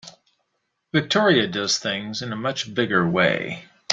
Victoria does things in a much bigger way.